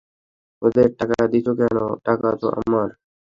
ওদের টাকা দিচ্ছো কেন, টাকা তো আমার।